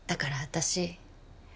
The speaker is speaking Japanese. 私